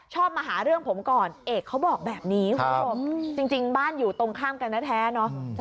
มาหาเรื่องผมก่อนเอกเขาบอกแบบนี้คุณผู้ชมจริงบ้านอยู่ตรงข้ามกันแท้เนอะ